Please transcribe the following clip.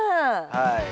はい。